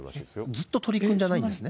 ずっと鳥くんじゃないんですね？